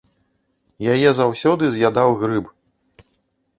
Яе заўсёды з'ядаў грыб.